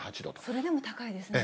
それでも高いですね。